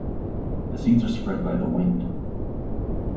The seeds are spread by the wind.